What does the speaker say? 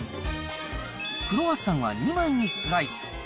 クロワッサンは２枚にスライス。